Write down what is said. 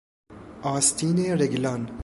آستین رگلان